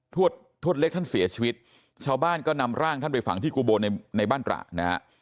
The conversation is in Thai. ทวดเล็กท่านเสียชีวิตชาวบ้านก็นำร่างท่านไปฝังที่กุโบในในบ้านตระนะฮะ